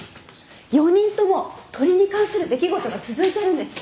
４人とも鳥に関する出来事が続いてるんです。